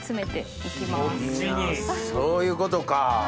そういうことか。